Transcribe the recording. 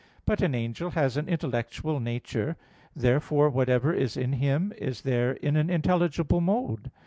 But an angel has an intellectual nature. Therefore whatever is in him is there in an intelligible mode.